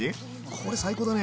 これ最高だね。